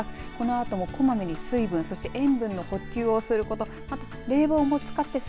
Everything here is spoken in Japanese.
このあともこまめに水分塩分の補給をすること